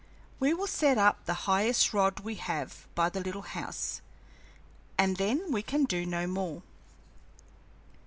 We will set up the highest rod we have by the little house, and then we can do no more."